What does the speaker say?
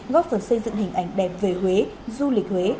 góp phần xây dựng hình ảnh đẹp về huế du lịch huế